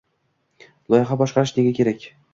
Loyiha boshqarish nega kerak